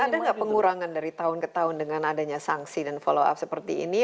ada nggak pengurangan dari tahun ke tahun dengan adanya sanksi dan follow up seperti ini